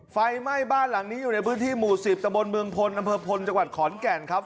ไฟไม่บ้านหลังนี้อยู่ในบุตรศีริมหมู่สิบตรเมืองพนอำเภอพลไข่ขอนแกนะครับ